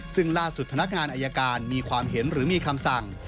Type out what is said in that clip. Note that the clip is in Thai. ซึ่งล่าสุดพนักงานอายการมีความเห็นหรือมีคำสั่ง